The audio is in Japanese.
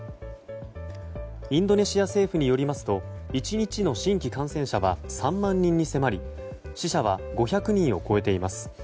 インドネシア政府によりますと１日の新規感染者は３万人に迫り死者は５００人を超えています。